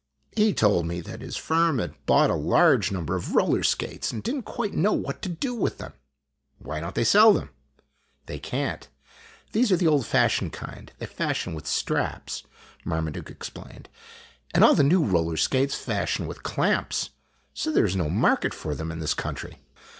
He told me that his firm had bought a large number of roller skates and did n't quite know what to do with them." " Why don't they sell them ?" "They can't. These are the old fashioned kind. They fasten with straps," Marmaduke explained, "and all the new roller skates fasten with clamps. So there is no market for them in this country."